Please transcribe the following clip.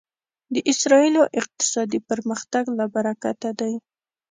د اسرایلو اقتصادي پرمختګ له برکته دی.